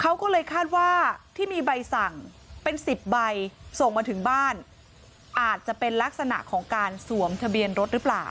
เขาก็เลยคาดว่าที่มีใบสั่งเป็น๑๐ใบส่งมาถึงบ้านอาจจะเป็นลักษณะของการสวมทะเบียนรถหรือเปล่า